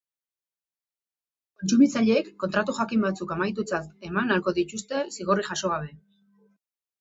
Kontsumitzaileek kontratu jakin batzuk amaitutzat eman ahalko dituzte, zigorrik jaso gabe.